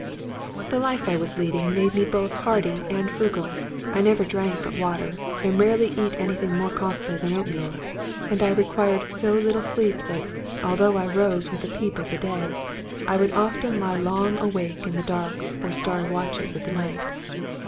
The life I was leading made me both hardy and frugal. I never drank but water, and rarely eat anything more costly than oatmeal ; and I required so little sleep, that, although I rose with the peep of day, I would often lie long awake in. the dark or starry watches of the night.